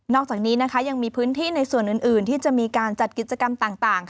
อกจากนี้ยังมีพื้นที่ในส่วนอื่นที่จะมีการจัดกิจกรรมต่าง